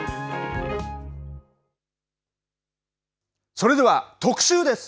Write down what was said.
それでは特集です。